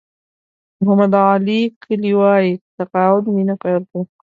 محمد علي کلي وایي تقاعد مینه پیل کړه.